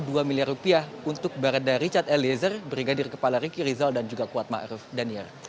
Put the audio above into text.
rp dua miliar untuk barat dari chad eliezer brigadir kepala riki rizal dan juga kuatma arif danir